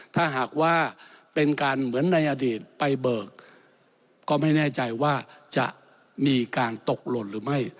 ถ้าหากว่าเป็นการเหมือนในอดีตไปเบิกก็ไม่แน่ใจว่าจะมีการตกหล่นหรือไม่